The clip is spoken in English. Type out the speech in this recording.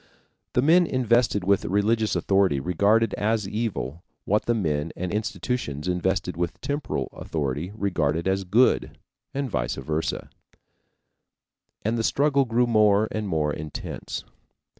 The men invested with religious authority regarded as evil what the men and institutions invested with temporal authority regarded as good and vice versa, and the struggle grew more and more intense.